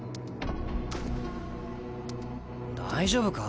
大丈夫か？